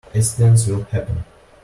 Accidents will happen.